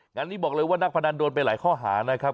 งานนี้บอกเลยว่านักพนันโดนไปหลายข้อหานะครับ